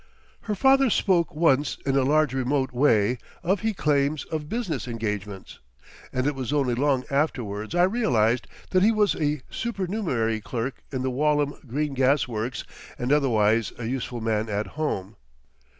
Her father spoke once in a large remote way of he claims of business engagements, and it was only long afterwards I realised that he was a supernumerary clerk in the Walham Green Gas Works and otherwise a useful man at home.